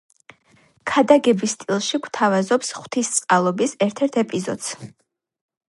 ქადაგების სტილში გვთავაზობს „ღვთის წყალობის“ ერთ–ერთ ეპიზოდს.